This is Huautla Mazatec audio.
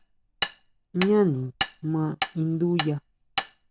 Jñáni ma induya.